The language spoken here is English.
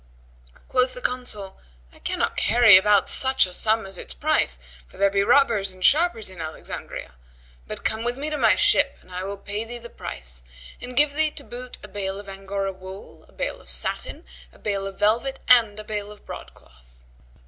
Quoth the Consul, "I cannot carry about such sum as its price, for there be robbers and sharpers in Alexandria; but come with me to my ship and I will pay thee the price and give thee to boot a bale of Angora wool, a bale of satin, a bale of velvet and a bale of broadcloth."